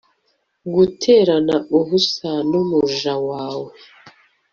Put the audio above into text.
guterana ubuse n'umuja wawe